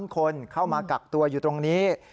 คนเข้ามากักตัวอยู่ตรงนี้